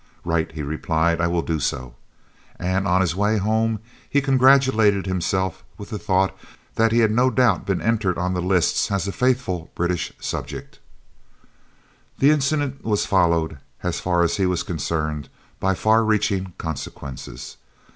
"Right," he replied. "I will do so." And on his homeward way he congratulated himself with the thought that he had no doubt been entered on the lists as a "faithful British subject." This incident was followed, as far as he was concerned, by far reaching consequences.